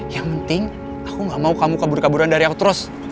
yang penting aku gak mau kamu kabur kaburan dari aku terus